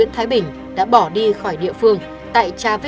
chỉ là có kiểu kiểu tâm tâm